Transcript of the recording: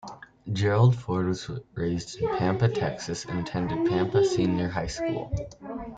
Gerald Ford was raised in Pampa, Texas and attended Pampa Senior High School.